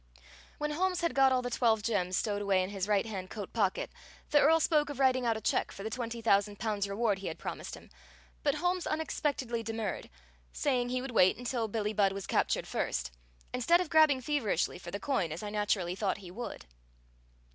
When Holmes had got all the twelve gems stowed away in his right hand coat pocket, the Earl spoke of writing out a check for the twenty thousand pounds' reward he had promised him, but Holmes unexpectedly demurred, saying he would wait until Billie Budd was captured first, instead of grabbing feverishly for the coin, as I naturally thought he would.